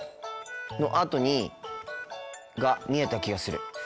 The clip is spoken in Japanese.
のあとにが見えた気がする。